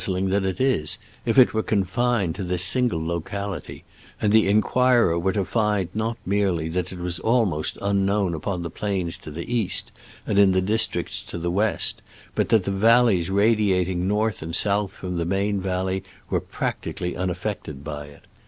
zling than it is if it were confined to this single locality, and the inquirer were to find not merely that it was almost un known upon the plains to the east and in the districts to the west, but that the valleys radiating north and south from the main valley were practically un affected by it.